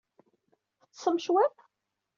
Teṭṣem cwiṭ?